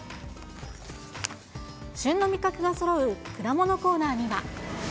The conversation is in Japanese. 旬の味覚がそろう果物コーナーには。